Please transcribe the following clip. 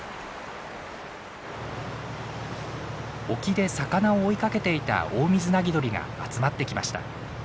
沖で魚を追いかけていたオオミズナギドリが集まってきました。